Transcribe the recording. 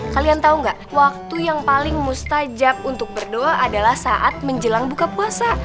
kalian tahu nggak waktu yang paling mustajab untuk berdoa adalah saat menjelang buka puasa